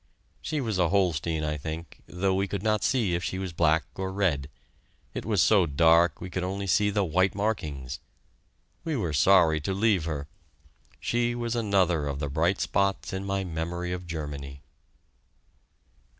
She was a Holstein, I think, though we could not see if she was black or red it was so dark, we could only see the white markings. We were sorry to leave her. She was another of the bright spots in my memory of Germany.